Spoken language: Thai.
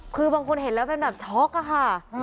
คือบางคนเห็นแล้วเป็นแบบช็อกอะค่ะ